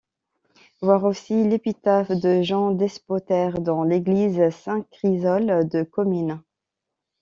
Voir aussi l'épitaphe de Jean Despautère dans l'église Saint-Chrysole de Comines.